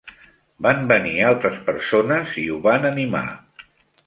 Van venir altres persones i ho van animar.